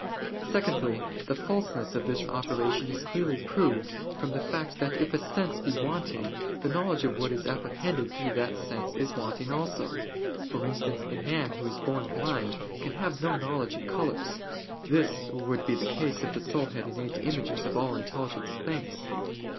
Secondly, the falseness of this opinion is clearly proved from the fact that if a sense be wanting, the knowledge of what is apprehended through that sense is wanting also: for instance, a man who is born blind can have no knowledge of colors. This would not be the case if the soul had innate images of all intelligible things.